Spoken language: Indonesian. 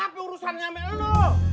apa urusannya sama elo